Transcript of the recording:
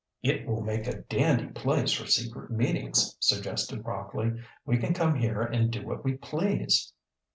"It will make a dandy place for secret meetings," suggested Rockley. "We can come here and do what we please."